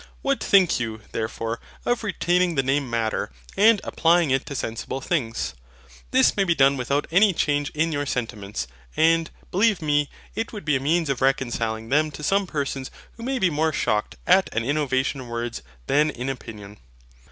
What think you, therefore, of retaining the name MATTER, and applying it to SENSIBLE THINGS? This may be done without any change in your sentiments: and, believe me, it would be a means of reconciling them to some persons who may be more shocked at an innovation in words than in opinion.